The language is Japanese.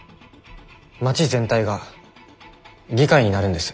街全体が議会になるんです。